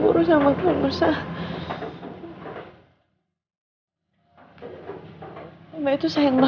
gue mau ketemu nino